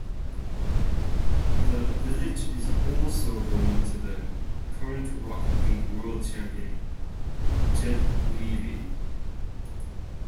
The village is also home to the current Rocket League World Champion, Jed Levy.